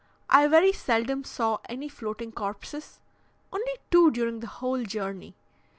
I very seldom saw any floating corpses; only two during the whole journey.